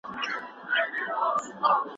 دا د روغتیا سیسټمونو باندې فشار زیاتوي.